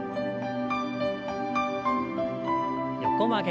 横曲げ。